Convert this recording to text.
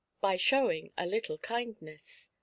by showing a little kiinlneasi.